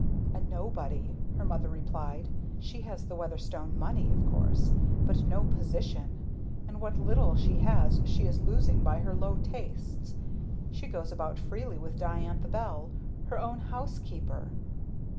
"A nobody!" her mother replied. "She has the Weatherstone money, of course, but no Position; and what little she has she is losing by her low tastes. She goes about freely with Diantha Bell her own housekeeper!"